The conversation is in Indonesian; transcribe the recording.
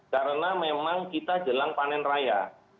karena memang kita jelang panen raya